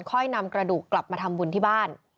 ค่อยนำกระดูกกลับมาทำบุญที่บ้าน